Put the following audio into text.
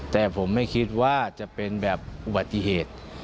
แต่ผมไม่คิดว่าจะเป็นแบบอุบัติเหตุ